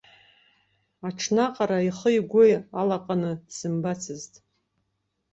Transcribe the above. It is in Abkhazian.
Аҽнаҟара ихы-игәы алаҟаны дсымбацызт.